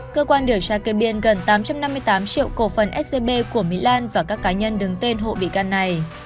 cơ quan điều tra kê biên gần tám trăm năm mươi tám triệu cổ phần scb của mỹ lan và các cá nhân đứng tên hộ bị can này